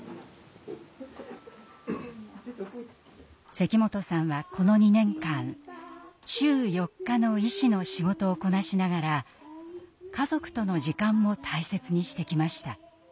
関本さんはこの２年間週４日の医師の仕事をこなしながら家族との時間も大切にしてきました。